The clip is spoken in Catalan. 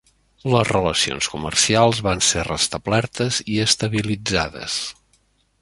Les relacions comercials van ser restablertes i estabilitzades.